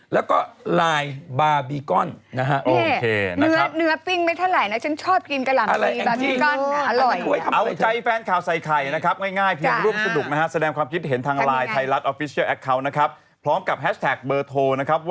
แล้วก็ไลน์บาร์บีกอนนะฮะโอเคนะครับเนื้อปิ้งไม่เท่าไหร่นะฉันชอบกินกะหล่ำทีบาร์บีกอนอร่อย